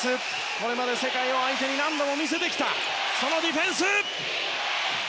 これまで世界を相手に何度も見せてきたそのディフェンス！